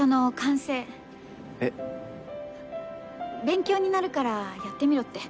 勉強になるからやってみろって。